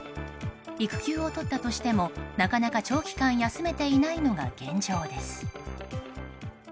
育休を取ったとしてもなかなか長期間休めていないのが現状です。